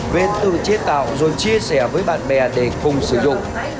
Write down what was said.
về tự chế tạo rồi chia sẻ với bạn bè để cùng sử dụng